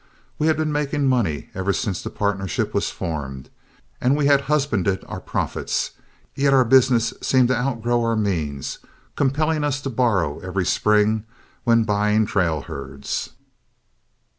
We had been making money ever since the partnership was formed, and we had husbanded our profits, yet our business seemed to outgrow our means, compelling us to borrow every spring when buying trail herds.